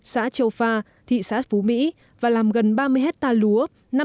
xã châu pha thị xã phú mỹ và làm gần ba mươi hectare lúa